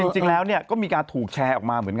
จริงแล้วก็มีการถูกแชร์ออกมาเหมือนกัน